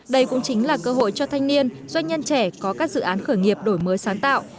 đây cũng chính là cơ hội cho thanh niên doanh nhân trẻ có các dự án khởi nghiệp đổi mới sáng tạo